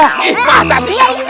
eh masa sih